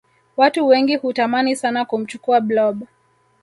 Watu wengi hutamani sana kumchukua blob